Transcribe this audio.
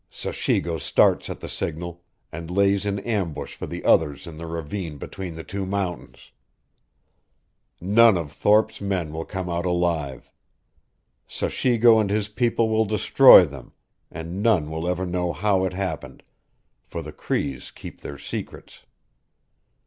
Sachigo starts at the signal, and lays in ambush for the others in the ravine between the two mountains. None of Thorpe's men will come out alive. Sachigo and his people will destroy them, and none will ever know how it happened, for the Crees keep their secrets.